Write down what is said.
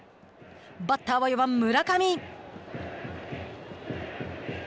バッターは４番村上。